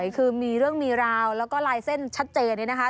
คือมีเรื่องมีราวแล้วก็ลายเส้นชัดเจนเนี่ยนะคะ